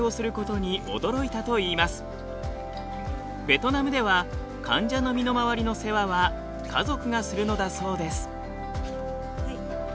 ベトナムでは患者の身の回りの世話は家族がするのだそうです。